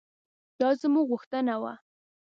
دا زموږ غوښتنه وه.